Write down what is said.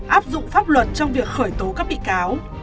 áp dụng pháp luật trong việc khởi tố các bị cáo